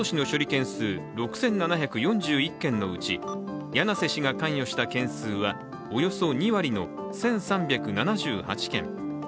件数６７４１件のうち柳瀬氏が関与した件数はおよそ２割の１３７８件。